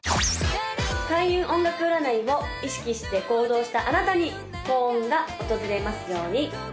開運音楽占いを意識して行動したあなたに幸運が訪れますように！